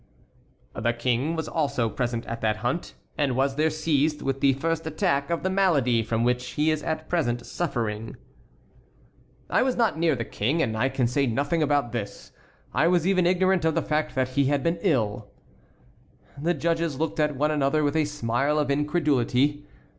"The King was also present at that hunt, and was there seized with the first attack of the malady from which he is at present suffering." "I was not near the King, and I can say nothing about this. I was even ignorant of the fact that he had been ill." The judges looked at one another with a smile of incredulity.